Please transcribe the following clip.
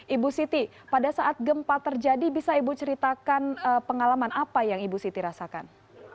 ibu siti pada saat gempa terjadi bisa ibu ceritakan pengalaman apa yang ibu siti rasakan